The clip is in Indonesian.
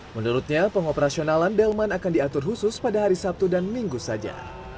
menurutnya pengoperasionalan delman akan diatur khusus pada hari sabtu dan minggu saja